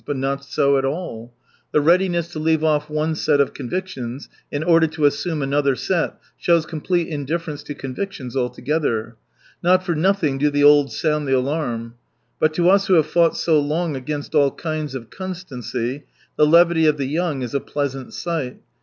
But not so at all ! The readiness to leave off one set of convictions in order to assume another set shows complete indifference to convictions altogether. Not for nothing do the old sound the alarm. But to us who have fought so long against all kinds of constancy, the levity of the young is a pleasant sight.